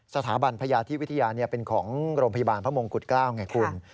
สถาบันพญาธิวิทยาเป็นของโรงพยาบาลพระมงกุฎเกล้าไงคุณ